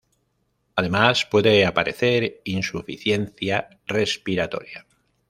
Además puede aparecer insuficiencia respiratoria.